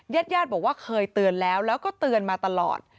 เย็ดบอกว่าเคยเตือนแล้วแล้วก็เตือนมาตลอด